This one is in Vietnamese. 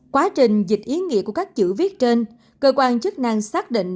quá trình dịch ý nghĩa của các chữ viết trên cơ quan chức năng xác định